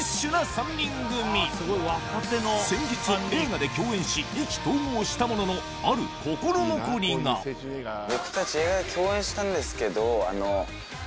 先日映画で共演し意気投合したもののある心残りがあんまり。